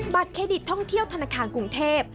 เครดิตท่องเที่ยวธนาคารกรุงเทพ